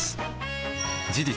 事実